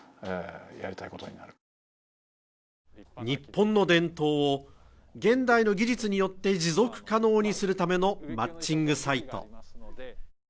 日本の伝統を現代の技術によって持続可能にするためのマッチングサイト。